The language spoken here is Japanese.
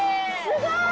すごい！